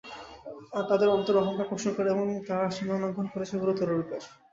তারা তাদের অন্তরে অহংকার পোষণ করে এবং তারা সীমালংঘন করেছে গুরুতররূপে।